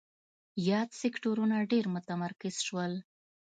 یاد سکتورونه ډېر متمرکز شول.